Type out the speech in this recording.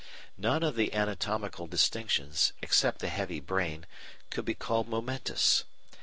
None of the anatomical distinctions, except the heavy brain, could be called momentous.